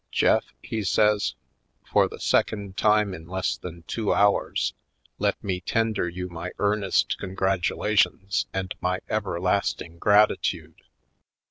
"Jeff," he says, "for the second time in less than two hours let me tender you my earnest congratulations and my everlasting gratitude.